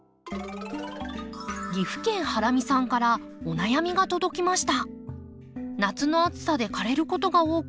岐阜県ハラミさんからお悩みが届きました。